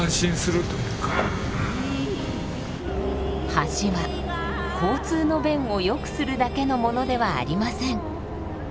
橋は交通の便を良くするだけのものではありません。